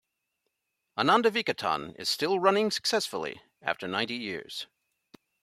Ananda Vikatan is still running successfully after ninety years.